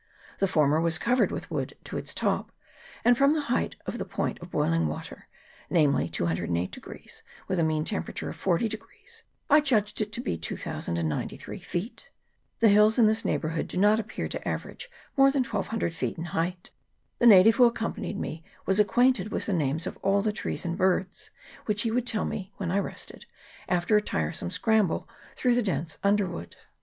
The former was covered with wood to its top ; and from the height of the point of boiling water, namely, 208, with a mean temperature of 40, I judged it to be 2093 feet. The hills in this neighbourhood do not appear to average more than 1200 feet in height. The native who accompanied me was acquainted with the names of all the trees and birds, which he would tell me when I rested, after a tiresome scramble through the dense underwood.